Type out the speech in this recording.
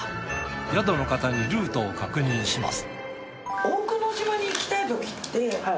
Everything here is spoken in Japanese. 宿の方にルートを確認します。